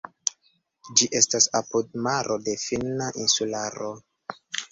Ĝi estas apud maro de finna insularo.